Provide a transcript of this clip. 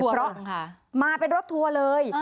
เพราะมาเป็นรถทัวร์เลย